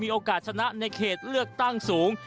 โอกาสชนะในเขตเลือกตั้งสูง